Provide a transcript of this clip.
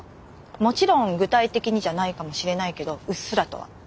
もちろん具体的にじゃないかもしれないけどうっすらとは。